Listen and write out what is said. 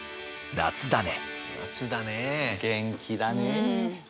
「夏だね」！